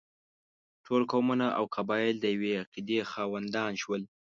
ټول قومونه او قبایل د یوې عقیدې خاوندان شول.